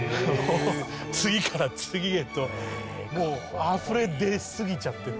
次から次へともうあふれ出すぎちゃってて。